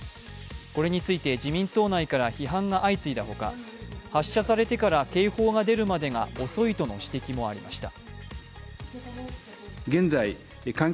これについて、自民党内から批判が相次いだほか、発射されてから警報が出るまでが遅いとの指摘もありました。